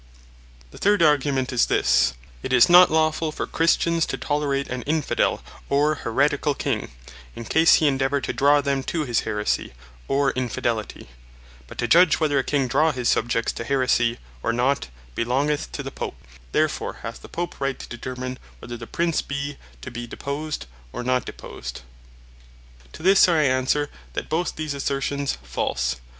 The third Argument is this; "It is not lawfull for Christians to tolerate an Infidel, or Haereticall King, in case he endeavour to draw them to his Haeresie, or Infidelity. But to judge whether a King draw his subjects to Haeresie, or not, belongeth to the Pope. Therefore hath the Pope Right, to determine whether the Prince be to be deposed, or not deposed." To this I answer, that both these assertions are false.